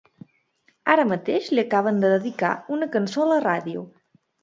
Ara mateix li acaben de dedicar una cançó a la ràdio.